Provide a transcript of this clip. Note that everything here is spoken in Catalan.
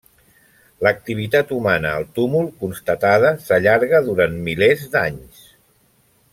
L'activitat humana al túmul constatada s'allarga durant milers d'anys.